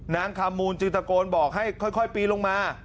นางคำมูลจึงตะโกนบอกให้ค่อยปีนลงมา